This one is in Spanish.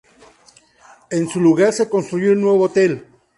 En su lugar se construyó un nuevo hotel.